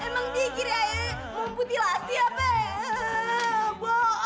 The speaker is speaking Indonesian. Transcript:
emang dikira mau putih lasi apa ya